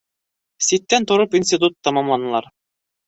Ситтән тороп институт тамамланылар.